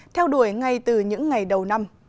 theo đuổi ngay từ những ngày đầu năm